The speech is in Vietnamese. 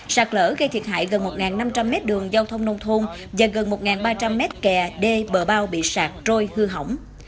sạt lở gây thiệt hại gần một năm trăm linh mét đường giao thông nông thôn và gần một ba trăm linh mét kè đê bờ bao bị sạt trôi hư hỏng